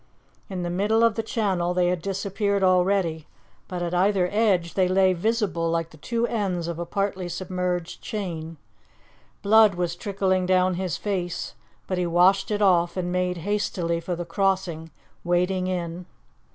In the middle of the channel they had disappeared already, but at either edge they lay visible, like the two ends of a partly submerged chain. Blood was trickling down his face, but he washed it off, and made hastily for the crossing, wading in.